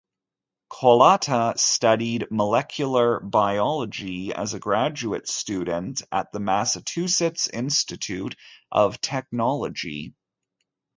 Kolata studied molecular biology as a graduate student at the Massachusetts Institute of Technology.